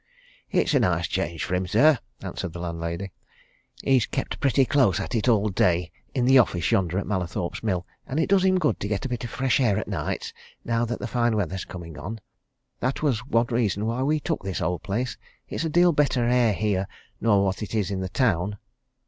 "It's a nice change for him, sir," answered the landlady. "He's kept pretty close at it all day in the office yonder at Mallathorpe's Mill, and it does him good to get a bit o' fresh air at nights, now that the fine weather's coming on. That was one reason why we took this old place it's a deal better air here nor what it is in the town."